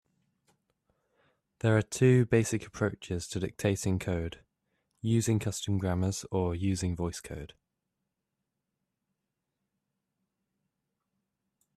There are two basic approaches to dictating code: using custom grammars or using VoiceCode.